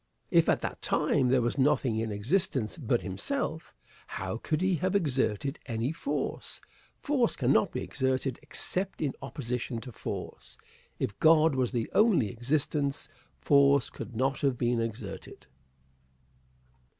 If at that time there was nothing in existence but himself, how could he have exerted any force? Force cannot be exerted except in opposition to force. If God was the only existence, force could not have been exerted.